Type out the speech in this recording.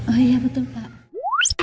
oh iya betul pak